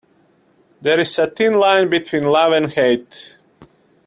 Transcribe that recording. There is a thin line between love and hate.